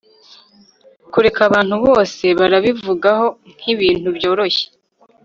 kureka. abantu bose barabivugaho nkibintu byoroshye